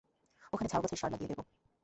ওখানে ঝাউগাছের সার লাগিয়ে দেব।